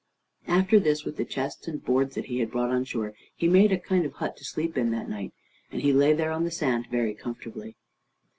After this, with the chests and boards that he had brought on shore, he made a kind of hut to sleep in that night, and he lay there on the sand very comfortably.